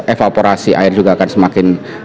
evaporasi air juga akan semakin